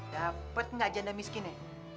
dapet nggak janda miskinnya